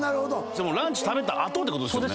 ランチ食べた後ってことですよね。